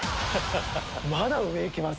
まだ上いきます？